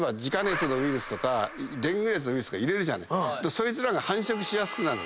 そいつらが繁殖しやすくなる。